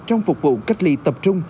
trong phục vụ cách ly tập trung